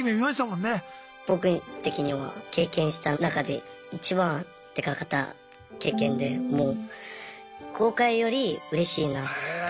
僕的には経験した中でいちばんでかかった経験でもう後悔よりうれしいなと思うぐらい。